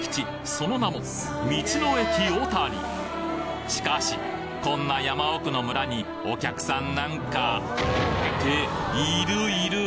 その名もしかしこんな山奥の村にお客さんなんかっているいる！